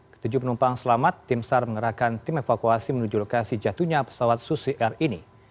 ketujuh penumpang selamat tim sar mengerahkan tim evakuasi menuju lokasi jatuhnya pesawat susi air ini